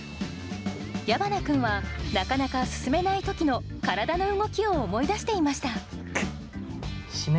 矢花君はなかなか進めない時の体の動きを思い出していました